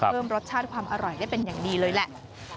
เพิ่มรสชาติความอร่อยได้เป็นอย่างดีเลยแหละ